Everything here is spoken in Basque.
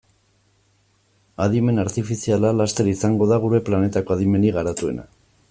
Adimen artifiziala laster izango da gure planetako adimenik garatuena.